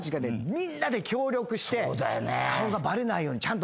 みんなで協力して顔がバレないようにちゃんと。